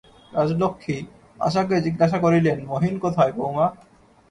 রাজলক্ষ্মী আশাকে জিজ্ঞাসা করিলেন, মহিন কোথায়, বউমা।